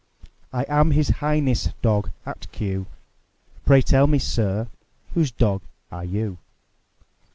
I am His Highness' dog at Kew; Pray tell me, sir, whose dog are you?